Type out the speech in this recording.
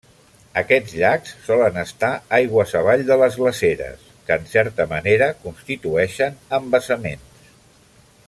Aquests llacs solen estar aigües avall de les glaceres, que en certa manera constitueixen embassaments.